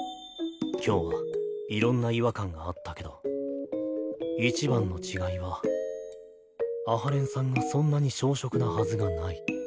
今日はいろんな違和感があったけどいちばんの違いは阿波連さんがそんなに小食なはずがない。